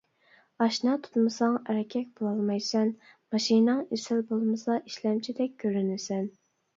ئاشنا تۇتمىساڭ ئەركەك بولالمايسەن، ماشىناڭ ئېسىل بولمىسا ئىشلەمچىدەك كۆرۈنىسەن.